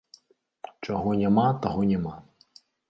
Чаго няма, таго няма.